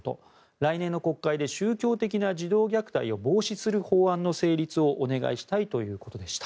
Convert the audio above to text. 来年の国会で宗教的な児童虐待を防止する法案の成立をお願いしたいということでした。